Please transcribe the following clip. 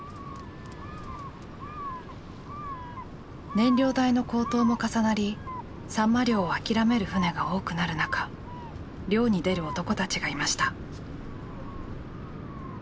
燃料代の高騰も重なりサンマ漁を諦める船が多くなる中漁に出る男たちがいました。